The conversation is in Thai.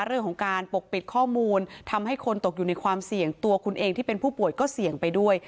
เรื่องของการปกปิดข้อมูลทำให้คนตกอยู่ในความเสี่ยงตัวคุณเองที่เป็นผู้ป่วยก็เสี่ยงไปด้วย